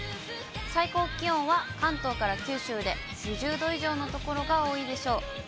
最高気温は、関東から九州で２０度以上の所が多いでしょう。